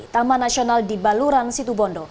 taman nasional di baluran situbondo